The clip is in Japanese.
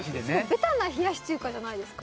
ベタな冷やし中華じゃないですか。